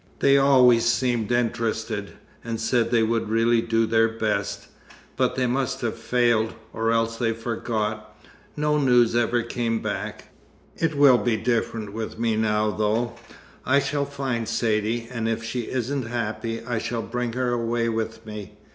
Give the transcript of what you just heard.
They always seemed interested, and said they would really do their best, but they must have failed, or else they forgot. No news ever came back. It will be different with me now, though. I shall find Saidee, and if she isn't happy, I shall bring her away with me.